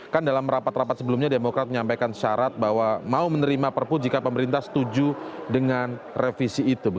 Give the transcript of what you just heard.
kan dalam rapat rapat sebelumnya demokrat menyampaikan syarat bahwa mau menerima perpu jika pemerintah setuju dengan revisi itu